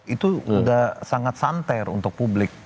itu sudah sangat santer untuk publik